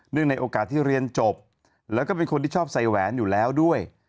ในโอกาสที่เรียนจบแล้วก็เป็นคนที่ชอบใส่แหวนอยู่แล้วด้วย